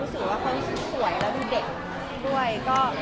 รู้สึกว่าเขารู้สึกสวยแล้วดูเด็กด้วย